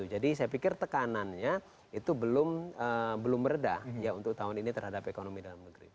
jadi saya pikir tekanannya itu belum meredah ya untuk tahun ini terhadap ekonomi dalam negeri